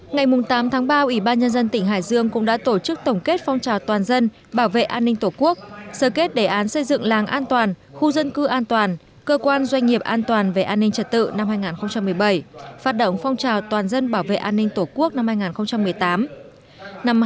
ngày tám tháng ba ủy ban nhân dân tỉnh hải dương cũng đã tổ chức tổng kết phong trào toàn dân bảo vệ an ninh tổ quốc sơ kết đề án xây dựng làng an toàn khu dân cư an toàn cơ quan doanh nghiệp an toàn về an ninh trật tự năm hai nghìn một mươi bảy phát động phong trào toàn dân bảo vệ an ninh tổ quốc năm hai nghìn một mươi tám